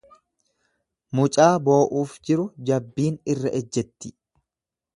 Mucaa boo'uuf jiru jabbiin irra ejjetti.